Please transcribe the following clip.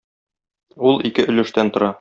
Ул ике өлештән тора.